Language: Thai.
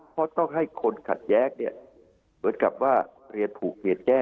เพราะต้องให้คนขัดแย้งเนี่ยเหมือนกับว่าเคลียร์ถูกเปลี่ยนแก้